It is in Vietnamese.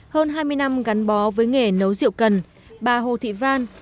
hơn hai mươi năm gắn bó với nghề nấu rượu cân bà hồ thị văn